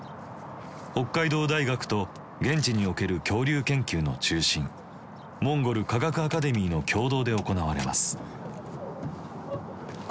北海道大学と現地における恐竜研究の中心モンゴル科学アカデミーの共同で行われます。